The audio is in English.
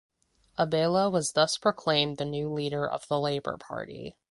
Abela was thus proclaimed new leader of the Labour Party.